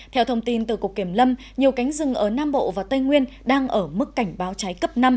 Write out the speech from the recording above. theo thông tin từ cục kiểm lâm nhiều cánh rừng ở nam bộ và tây nguyên đang ở mức cảnh báo cháy cấp năm